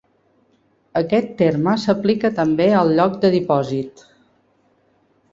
Aquest terme s'aplica també al lloc de dipòsit.